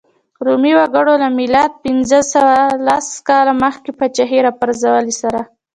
رومي وګړو له میلاد پنځه سوه لس کاله مخکې پاچاهۍ راپرځولو سره.